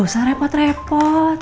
bu dausah repot repot